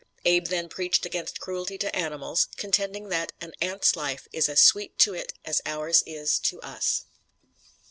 Abe then preached against cruelty to animals, contending that "an ant's life is as sweet to it as ours is to us."